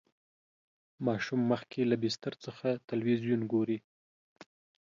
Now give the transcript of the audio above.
ماشوم مخکې له بستر څخه تلویزیون ګوري.